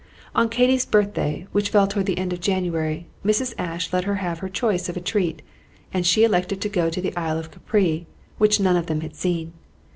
On Katy's birthday, which fell toward the end of January, Mrs. Ashe let her have her choice of a treat; and she elected to go to the Island of Capri, which none of them had seen.